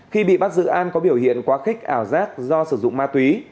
khi bị bắt giữ an có biểu hiện quá khích ảo giác do sử dụng ma túy